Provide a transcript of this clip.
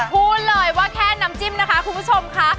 พูดเลยว่าแค่น้ำจิ้มนะคะคุณผู้ชมค่ะ